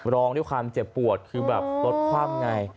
ร้องด้วยความเจ็บปวดคือแบบรถคว่ำไง